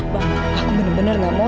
bang aku bener bener gak mau